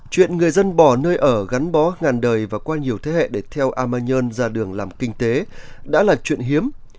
chuyện người dân bỏ nơi ở gắn bó ngàn đời và qua nhiều thế hệ để theo a ma nhơn ra đường làm kinh tế đã là chuyện hiếm